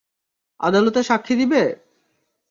আদালতে সাক্ষ্য দিবে?